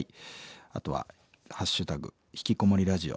あとは「＃ひきこもりラジオ」